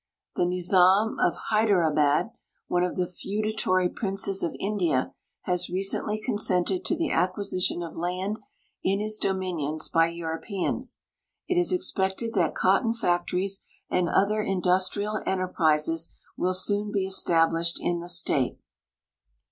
The Nizam of Haidarabad, one of the feudatory princes of India, has recently consented to the acquisition of land in his dominions by Euro peans. It is expected that cotton factories and other industrial enter prises will soon be established in the state.